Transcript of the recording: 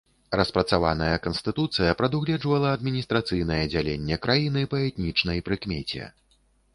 Распрацаваная канстытуцыя прадугледжвала адміністрацыйнае дзяленне краіны па этнічнай прыкмеце.